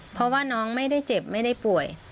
เพราะว่าน้องไม่ได้เจ็บไม่ได้ป่วย